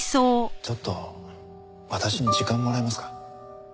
ちょっと私に時間もらえますか？